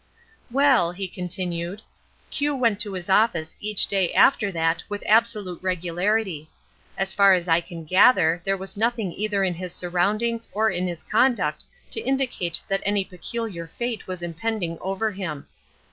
"Well," he continued, "Q went to his office each day after that with absolute regularity. As far as I can gather there was nothing either in his surroundings or his conduct to indicate that any peculiar fate was impending over him.